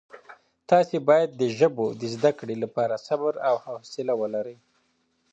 تاسي باید د ژبو د زده کړې لپاره صبر او حوصله ولرئ.